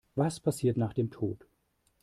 Was passiert nach dem Tod?